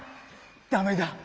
ダメだ。